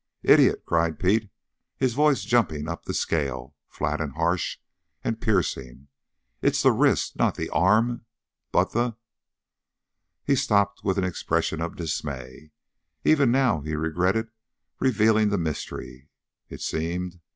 "Idiot!" cried Pete, his voice jumping up the scale, flat and harsh and piercing. "It's the wrist! Not the arm, but the " He stopped with an expression of dismay. Even now he regretted revealing the mystery, it seemed.